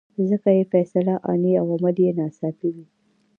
ځکه یې فیصله آني او عمل یې ناڅاپي وي.